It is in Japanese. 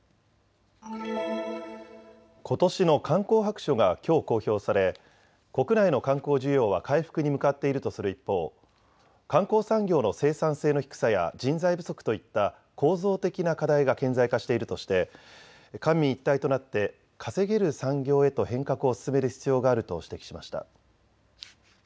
ことしの観光白書がきょう公表され、国内の観光需要は回復に向かっているとする一方、観光産業の生産性の低さや人材不足といった構造的な課題が顕在化しているとして官民一体となって稼げる産業へと変革を進める必要があると指摘しました。